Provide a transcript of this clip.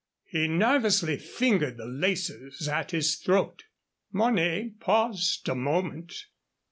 He nervously fingered the laces at his throat. Mornay paused a moment.